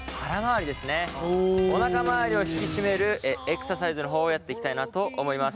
おなかまわりを引き締めるエクササイズの方をやっていきたいなと思います。